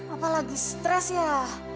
apalagi stres ya